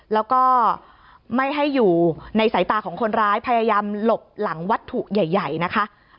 แล้วก็ไม่ให้อยู่ในสายตาของคนร้ายพยายามหลบหลังวัตถุใหญ่นะคะ